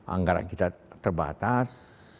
anggaran kita terbatas